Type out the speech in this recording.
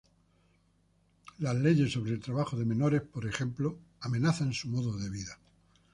Las leyes sobre el trabajo de menores, por ejemplo, amenazan su modo de vida.